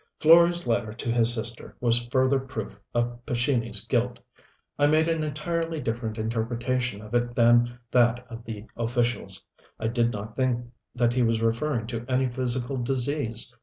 Florey's letter to his sister was further proof of Pescini's guilt. I made an entirely different interpretation of it than that of the officials. I did not think that he was referring to any physical disease.